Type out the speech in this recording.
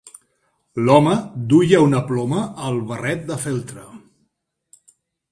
L'home duia una ploma al barret de feltre.